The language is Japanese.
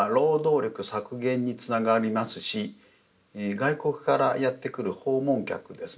外国からやって来る訪問客ですね